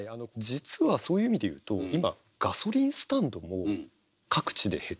実はそういう意味で言うと今ガソリンスタンドも各地で減ってる。